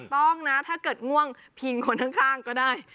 ต้องนะถ้าเกิดง่วงพิงคนข้างก็ได้